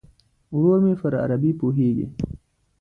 ورور مې پر عربي پوهیږي.